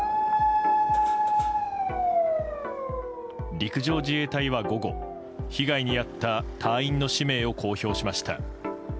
陸上自衛隊は午後被害に遭った隊員の氏名を公表しました。